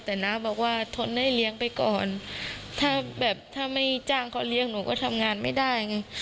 แต่น้าบอกว่าทนได้เลี้ยงไปก่อนถ้าแบบถ้าไม่จ้างเขาเลี้ยงหนูก็ทำงานไม่ได้ไง